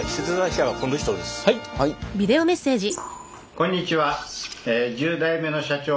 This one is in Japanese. こんにちは。